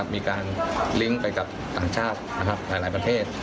มีการลิงก์ไปกับต่างชาติหลายประเทศ